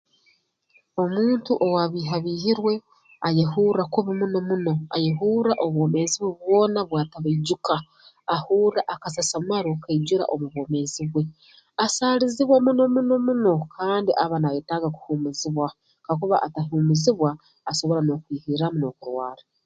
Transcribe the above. Omuntu owaabiihabiihirwe ayeehurra kubi muno muno ayehurra obwomeezi bwe bwona bwatabaijuka ahurra akasasamaro kaijura omu bwomeezi bwe asaalizibwa muno muno muno kandi aba naayetaaga kuhuumuzibwa kakuba atahuumuzibwa asobora n'okwihirraamu n'okurwara